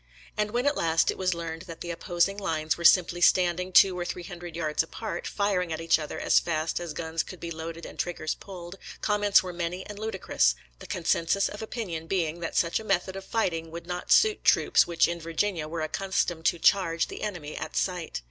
And when at last it was learned that the opposing lines were simply standing two or three hundred yards apart, firing at each other as fast as guns could be loaded and trig gers pulled, comments were many and ludicrous — ^the consensus of opinion being that such a method of fighting would not suit troops which in Virginia were accustomed to charge the enemy at sight.